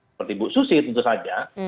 seperti bu susi tentu saja